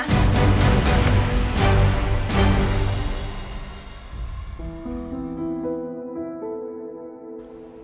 ศักดิ์